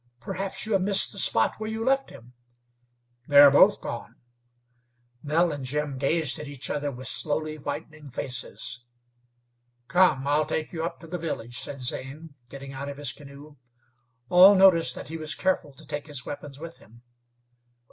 Perhaps you have missed the spot where you left him." "They're both gone." Nell and Jim gazed at each other with slowly whitening faces. "Come, I'll take you up to the village," said Zane, getting out of his canoe. All noticed that he was careful to take his weapons with him.